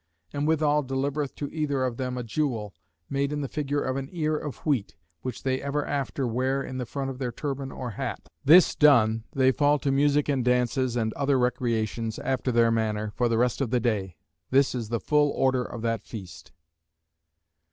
And withall delivereth to either of them a jewel, made in the figure of an ear of wheat, which they ever after wear in the front of their turban or hat. This done, they fall to music and dances, and other recreations, after their manner, for the rest of the day. This is the full order of that feast.